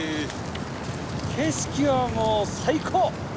景色はもう最高！